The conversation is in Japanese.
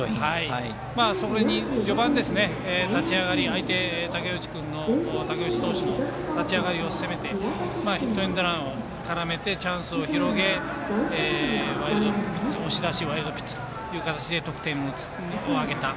それに序盤、立ち上がり相手の武内投手の立ち上がりを攻めてヒットエンドランを絡めてチャンスを広げ押し出しとワイルドピッチで得点を挙げた。